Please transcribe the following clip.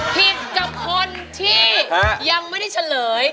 ผิดกับคนที่ยังไม่ได้เฉลย